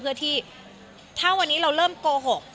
เพื่อที่ถ้าวันนี้เราเริ่มโกหก